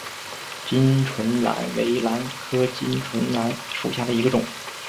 巾唇兰为兰科巾唇兰属下的一个种。